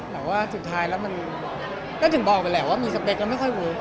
แต่ว่าสุดท้ายแล้วมันก็ถึงบอกไปแหละว่ามีสเปคแล้วไม่ค่อยเวิร์ค